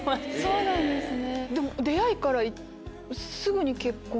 そうなんですね。